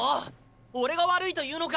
オレが悪いというのか？